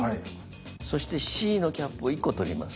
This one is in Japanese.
そしてＣのキャップを１個取ります。